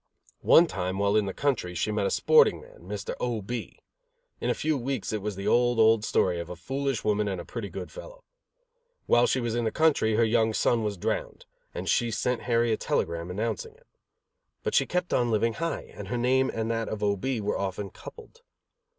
One time, while in the country, she met a sporting man, Mr. O. B. In a few weeks it was the old, old story of a foolish woman and a pretty good fellow. While she was in the country, her young son was drowned, and she sent Harry a telegram announcing it. But she kept on living high and her name and that of O. B. were often coupled.